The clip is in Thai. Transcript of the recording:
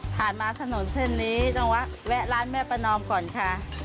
มาถนนเส้นนี้ต้องแวะร้านแม่ประนอมก่อนค่ะ